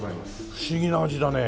不思議な味だね。